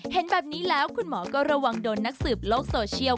เห็นแบบนี้แล้วคุณหมอก็ระวังโดนนักสืบโลกโซเชียล